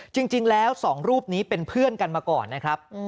จริงแล้วสองรูปนี้เป็นเพื่อนกันมาก่อนนะครับ